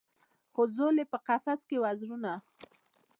خو ځول یې په قفس کي وزرونه